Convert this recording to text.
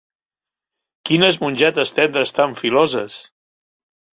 Quines mongetes tendres tan filoses!